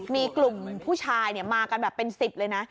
มีกลุ่มผู้ชายมากันแบบเป็น๑๐เลยนะ